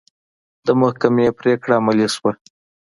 د محکمې پرېکړه عملي شوه.